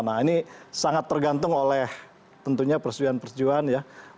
nah ini sangat tergantung oleh tentunya persetujuan persetujuan ya